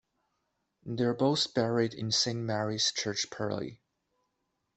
They are both buried in Saint Mary's Church Purley.